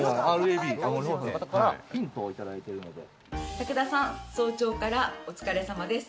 武田さん、早朝からお疲れさまです。